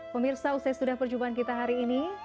pemirsa usai sudah perjumpaan kita hari ini